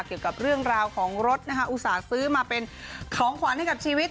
เกี่ยวกับเรื่องราวของรถนะคะอุตส่าห์ซื้อมาเป็นของขวัญให้กับชีวิต